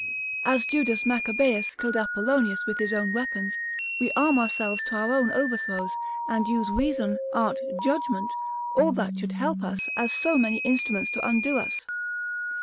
As Judas Maccabeus killed Apollonius with his own weapons, we arm ourselves to our own overthrows; and use reason, art, judgment, all that should help us, as so many instruments to undo us.